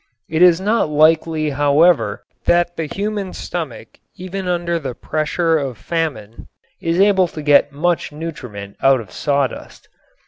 It is not likely, however, that the human stomach even under the pressure of famine is able to get much nutriment out of sawdust.